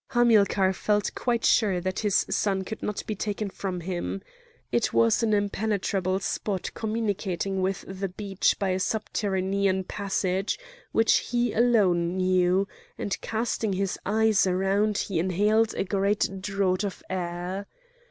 Hamilcar felt quite sure that his son could not be taken from him. It was an impenetrable spot communicating with the beach by a subterranean passage which he alone knew, and casting his eyes around he inhaled a great draught of air.